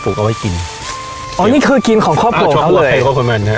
พูกเอาให้กินเอานี่คือกินของครอบครัวเขาเลย